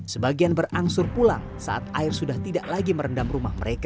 sebagian berangsur pulang saat air sudah tidak lagi merendam rumah mereka